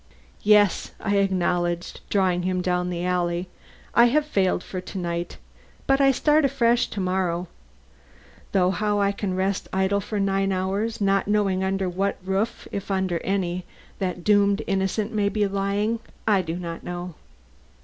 "Yes," I acknowledged, drawing him down the alley, "I have failed for to night, but I start afresh to morrow. Though how I can rest idle for nine hours, not knowing under what roof, if under any, that doomed innocent may be lying, I do not know."